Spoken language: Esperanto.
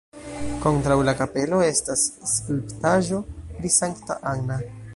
Kontraŭ la kapelo estas skulptaĵo pri Sankta Anna.